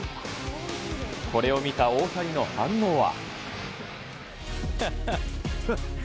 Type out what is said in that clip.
これを見た大谷の反応は。